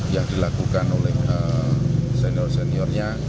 yang dilakukan oleh senior seniornya